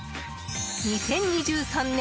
２０２３年